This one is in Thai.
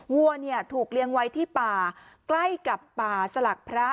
วัวเนี่ยถูกเลี้ยงไว้ที่ป่าใกล้กับป่าสลักพระ